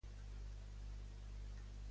Què ocorre des d'aleshores?